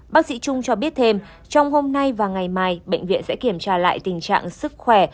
bác sĩ trung cho biết thêm trong hôm nay và ngày mai bệnh viện sẽ kiểm tra lại tình trạng sức khỏe